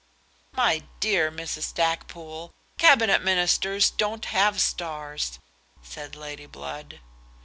"My dear Mrs. Stackpoole, Cabinet Ministers don't have stars," said Lady Blood.